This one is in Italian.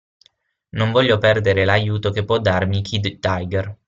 Non voglio perdere l'aiuto che può darmi Kid Tiger.